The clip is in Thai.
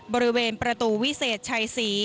บริเวณประตูวิเศษชัยศรี